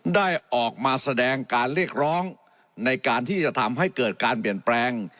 ได้ออกมาแสดงการเรียกร้องในการที่จะทำให้เกิดการเปลี่ยนแปลง